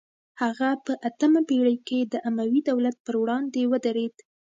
هغه په اتمه پیړۍ کې د اموي دولت پر وړاندې ودرید